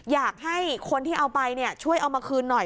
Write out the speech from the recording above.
อยากให้คนที่เอาไปช่วยเอามาคืนหน่อย